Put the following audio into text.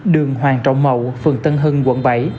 đường hoàng trọng mậu phường tân hưng quận bảy